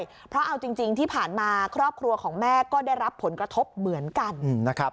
เพราะเอาจริงที่ผ่านมาครอบครัวของแม่ก็ได้รับผลกระทบเหมือนกันนะครับ